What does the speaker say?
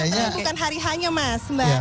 tapi bukan hari hanya mas mbak